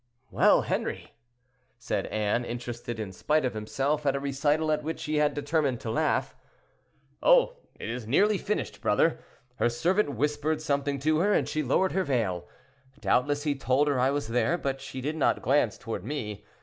"Well, Henri?" said Anne, interested, in spite of himself, at a recital at which he had determined to laugh. "Oh! it is nearly finished, brother. Her servant whispered something to her, and she lowered her veil; doubtless he told her I was there, but she did not glance toward me.